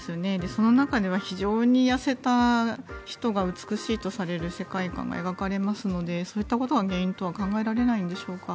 その中では非常に痩せた人が美しいとされる世界観が描かれますのでそういったことが原因ということは考えられないんでしょうか。